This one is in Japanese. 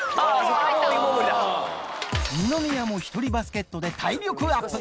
二宮も１人バスケットで体力アップ